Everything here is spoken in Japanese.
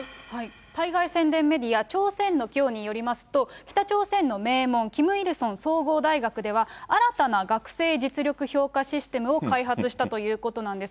対外宣伝メディア、朝鮮のきょうによりますと、北朝鮮の名門、キム・イルソン総合大学では、新たな学生実力評価システムを開発したということなんです。